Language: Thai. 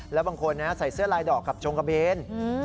แล้วบางคนใส่เสื้อลายดอกกับจงกระเบน